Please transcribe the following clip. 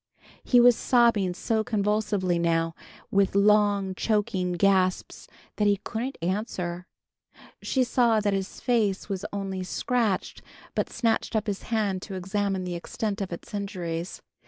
He was sobbing so convulsively now, with long choking gasps, that he couldn't answer. She saw that his face was only scratched, but snatched up his hand to examine the extent of its injuries.